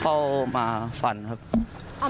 เขาบอกว่าเรามองหน้าค่ะเรื่องเขาหลอกหรือว่าไง